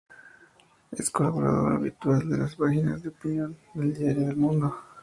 Es colaborador habitual de las páginas de opinión del diario "El Mundo".